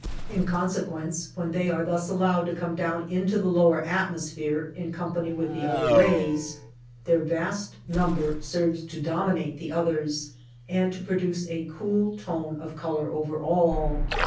In consequence, when they are thus allowed to come down into the lower atmosphere in company with the other rays, their vast number serves to dom inate the others, and to produce a cool tone of color over all.